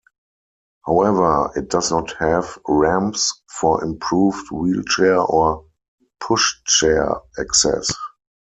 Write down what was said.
However, it does not have ramps for improved wheelchair or pushchair access.